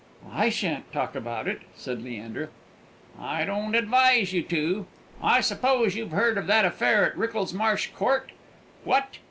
"I shan't talk about it," said Leander. "I don't advise you to. I suppose you've heard of that affair at Wricklesmarsh Court? What!